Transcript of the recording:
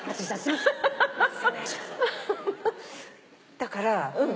だから。